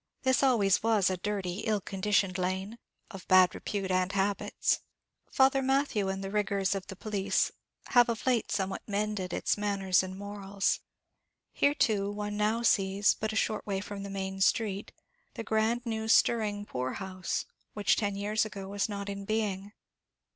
This always was a dirty, ill conditioned lane, of bad repute and habits. Father Mathew and the rigour of the police have of late somewhat mended its manners and morals. Here too one now sees, but a short way from the main street, the grand new stirring poor house, which ten years ago was not in being.